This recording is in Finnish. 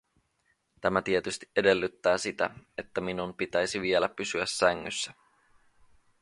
Tämä tietysti edellyttää sitä, että minun pitäisi vielä pysyä sängyssä.